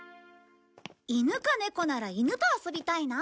犬か猫なら犬と遊びたいな。